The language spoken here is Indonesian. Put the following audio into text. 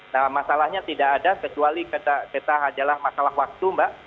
nah masalahnya tidak ada kecuali kita adalah masalah waktu mbak